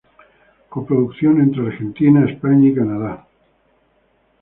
Coproducción entre Argentina, España y Canadá.